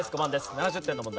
７０点の問題。